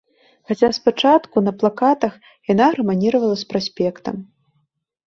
Хаця спачатку, на плакатах, яна гарманіравала з праспектам.